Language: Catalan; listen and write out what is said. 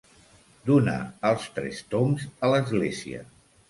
Donar els tres tombs a l'església.